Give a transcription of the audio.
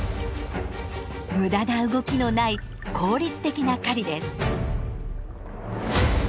無駄な動きのない効率的な狩りです。